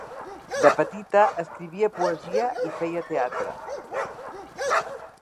De petita, escrivia poesia i feia teatre.